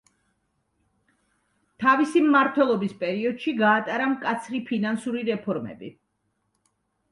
თავისი მმართველობის პერიოდში გაატარა მკაცრი ფინანსური რეფორმები.